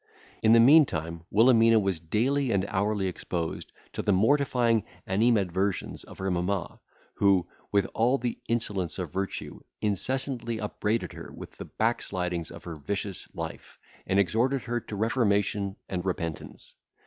In the meantime Wilhelmina was daily and hourly exposed to the mortifying animadversions of her mamma, who, with all the insolence of virtue, incessantly upbraided her with the backslidings of her vicious life, and exhorted her to reformation and repentance.